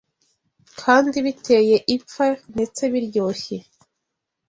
kandi biteye ipfa ndetse biryoshye